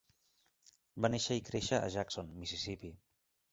Va néixer i créixer a Jackson, Mississippi.